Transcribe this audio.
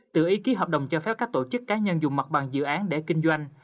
tự ý ký hợp đồng cho phép các tổ chức cá nhân dùng mặt bằng dự án để kinh doanh